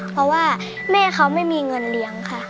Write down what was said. เพราะว่าแม่เขาไม่มีเงินเลี้ยงค่ะ